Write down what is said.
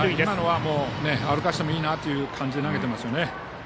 今のは歩かせてもいいなという感じで投げてますよね。